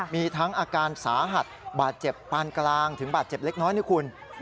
มีทั้งอาการสาหัสบาดเจ็บปานกลางถึงบาดเจ็บเล็กน้อยนะคุณ